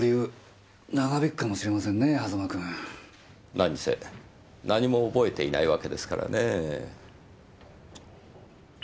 何せ何も覚えていないわけですからねぇ。